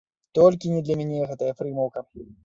Толькі не для мяне гэтая прымаўка!